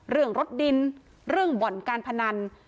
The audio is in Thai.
เรื่องรถดินเรื่องบ่อนการพนัน